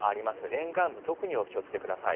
沿岸部特にお気をつけください。